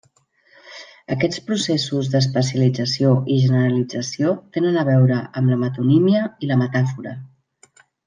Aquests processos d'especialització i generalització tenen a veure amb la metonímia i la metàfora.